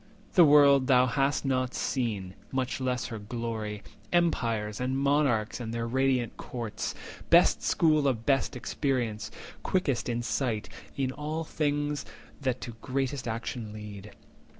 The world thou hast not seen, much less her glory, Empires, and monarchs, and their radiant courts— Best school of best experience, quickest in sight In all things that to greatest actions lead.